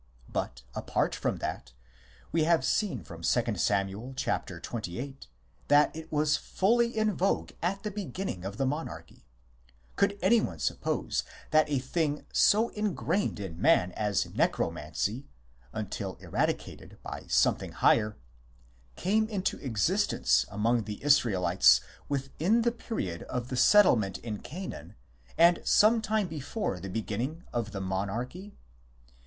But, apart from that, we have seen from 2 Sam. xxviii. that it was fully in vogue at the beginning of the monarchy ; could anyone suppose that a thing so ingrained in man as Necromancy (until eradicated by something higher) came into existence among the Israelites within the period of the settlement in Canaan and some time before the beginning of the monarchy